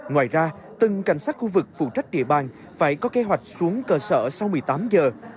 ngoài ra từng cảnh sát khu vực phụ trách địa bàn phải có kế hoạch xuống cơ sở sau một mươi tám giờ